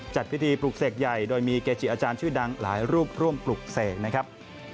จัดพิธีปลุกเสกใหญ่โดยมีเกจิอาจารย์ชื่อดังหลายรูปร่วมปลุกเสกนะครับ